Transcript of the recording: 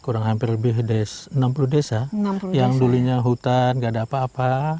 kurang lebih dari enam puluh desa yang dulunya hutan gak ada apa apa